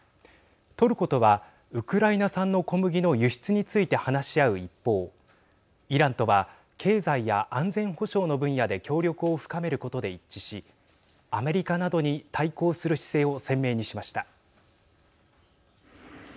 トルコとはウクライナ産の小麦の輸出について話し合う一方イランとは経済や安全保障の分野で協力を深めることで一致しアメリカなどに対抗する姿勢を鮮明にしました。